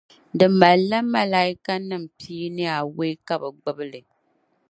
Di malila Makaaikanim pia ni awei ka bɛ guli li